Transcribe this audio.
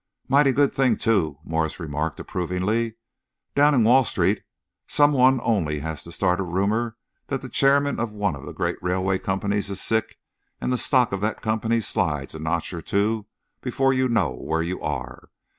"Mighty good thing, too," Morse remarked approvingly. "Down in Wall Street, some one only has to start a rumour that the chairman of one of the great railway companies is sick, and the stock of that company slides a notch or two before you know where you are.